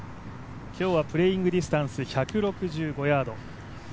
今日はプレーイング・ディスタンス１６５ヤード。